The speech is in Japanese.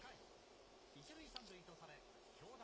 さらに６回、１塁３塁とされ、京田。